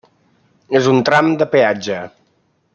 És un tram de peatge.